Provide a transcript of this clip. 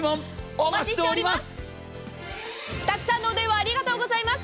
お待ちしております！